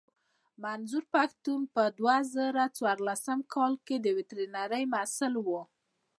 منظور پښتين په دوه زره څوارلسم کې د ويترنرۍ محصل و.